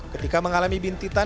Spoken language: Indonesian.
ketika mengalami bintitan